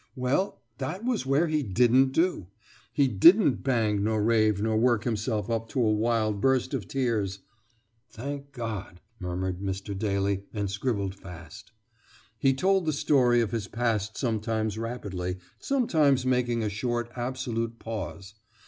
"Well, that was where he didn't do. He didn't bang nor rave nor work himself up to a wild burst of tears!" ("Thank God!" murmured Mr. Daly and scribbled fast.) "He told the story of his past sometimes rapidly, sometimes making a short, absolute pause.